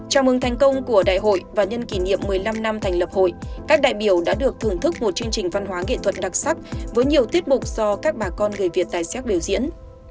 chào mừng thành công của đại hội và nhân kỷ niệm một mươi năm năm thành lập hội các đại biểu đã được thưởng thức một chương trình văn hóa nghệ thuật đặc sắc với nhiều tiết mục do các bà con người việt tài xế biểu diễn